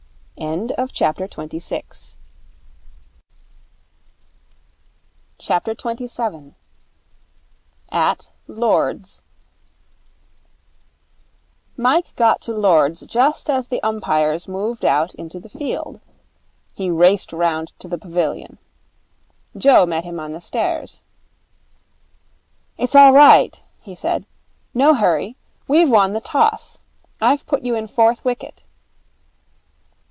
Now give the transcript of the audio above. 27. At Lord's Mike got to Lord's just as the umpires moved out into the field. He raced round to the pavilion. Joe met him on the stairs. 'It's all right,' he said. 'No hurry. We've won the toss. I've put you in fourth wicket.'